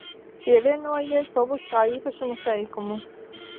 Pievienojiet publiskā īpašuma teikumu